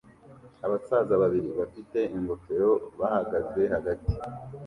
Abasaza babiri bafite ingofero bahagaze hagati